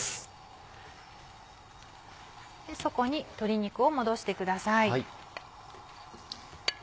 そこに鶏肉を戻してください。